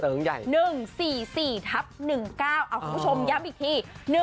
เอาคุณผู้ชมย้ำอีกที๑๔๔๑๙